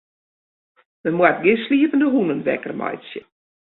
Men moat gjin sliepende hûnen wekker meitsje.